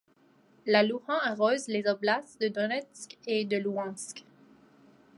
La Louhan arrose les oblasts de Donetsk et de Louhansk.